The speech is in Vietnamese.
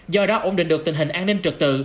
do đó ổn định được tình hình an ninh trực tự